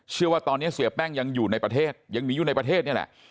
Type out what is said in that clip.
เชื่อว่าตอนนี้เสียแป้งยังอยู่ในประเทศยังหนีอยู่ในประเทศนี่แหละ